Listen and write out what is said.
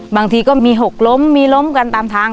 บางทีก็มีหกล้มมีล้มกันตามทาง